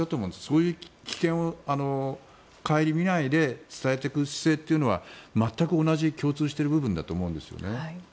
そういう危険を顧みないで伝えていく姿勢というのは全く同じ、共通している部分だと思うんですよね。